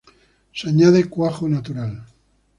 Se añade cuajo natural.